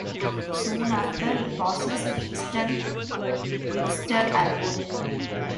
Soon after, it passes Kingston-Ulster Airport.